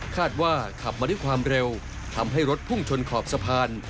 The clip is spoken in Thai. คาดว่าขับมาด้วยความเร็วทำให้รถพุ่งชนขอบสะพาน